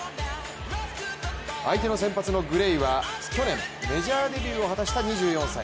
相手の先発のグレイは去年メジャーデビューを果たした２４歳。